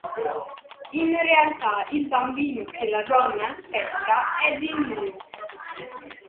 In realtà, il bambino che la donna aspetta è di Nino.